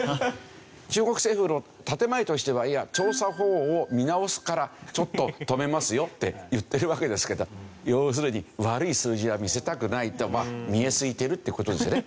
中国政府の建前としては調査方法を見直すからちょっと止めますよって言ってるわけですけど要するに悪い数字は見せたくないとまあ見え透いてるって事ですね。